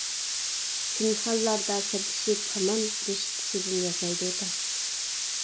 پىنھانلاردا سىردىشىپ ھامان، رىشتىسىدىن ياسايدۇ تەخت.